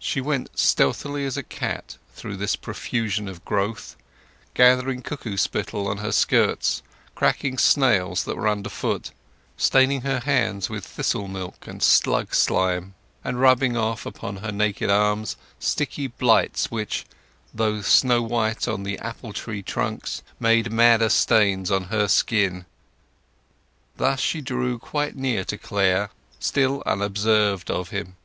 She went stealthily as a cat through this profusion of growth, gathering cuckoo spittle on her skirts, cracking snails that were underfoot, staining her hands with thistle milk and slug slime, and rubbing off upon her naked arms sticky blights which, though snow white on the apple tree trunks, made madder stains on her skin; thus she drew quite near to Clare, still unobserved of him.